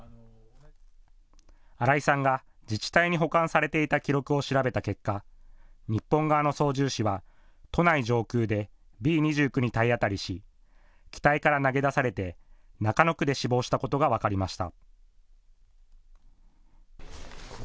新井さんが、自治体に保管されていた記録を調べた結果、日本側の操縦士は都内上空でＢ２９に体当たりし、機体から投げ出されて中野区で死亡したことが分かりました。